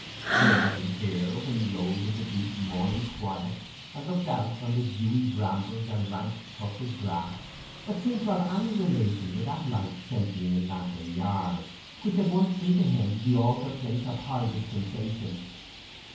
There was nothing here, when he rose in the deep morning quiet and looked out on the dewy brambles and rank tufted grass, that seemed to have any relation with that life centring in Lantern Yard, which had once been to him the altar place of high dispensations.